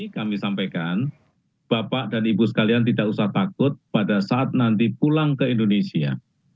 kami sampaikan bapak dan ibu sekalian tidak usah takut pada saat nanti pulang ke indonesia